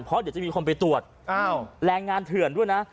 เพราะเดี๋ยวจะมีคนไปตรวจอ้าวแรงงานเถื่อนด้วยนะ